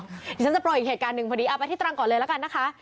เดี๋ยวฉันจะโปรยอีกเหตุการณ์หนึ่งพอดีเอาไปที่ตรังก่อนเลยละกันนะคะ